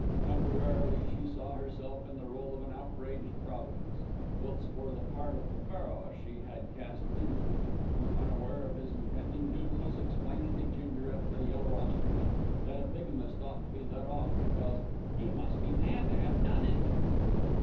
Temporarily she saw herself in the roll of an outraged Providence, whilst for the part of Pharaoh she had cast Bindle, who, unaware of his impending doom, was explaining to Ginger at The Yellow Ostrich that a bigamist ought to be let off because "'e must be mad to 'ave done it."